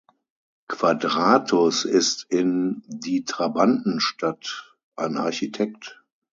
Quadratus ist in "Die Trabantenstadt" ein Architekt.